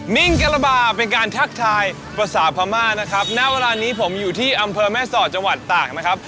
นิ่งกระบาเป็นการทักทายภาษาพม่านะครับณเวลานี้ผมอยู่ที่อำเภอแม่สอดจังหวัดตากนะครับ